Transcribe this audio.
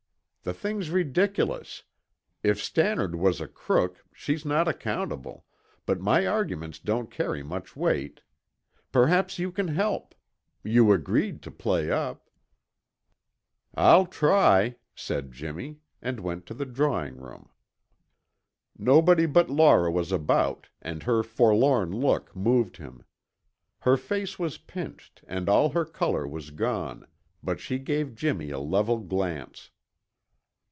The thing's ridiculous; if Stannard was a crook, she's not accountable, but my arguments don't carry much weight. Perhaps you can help. You agreed to play up." "I'll try," said Jimmy, and went to the drawing room. Nobody but Laura was about and her forlorn look moved him. Her face was pinched and all her color was gone, but she gave Jimmy a level glance.